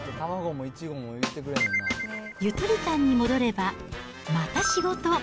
ゆとり館に戻れば、また仕事。